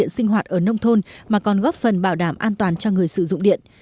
sinh hoạt ở nông thôn mà còn góp phần bảo đảm an toàn cho người sử dụng điện